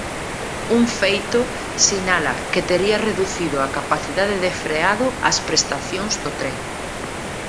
Un feito, sinala, que tería reducido a capacidade de freado as prestacións do tren.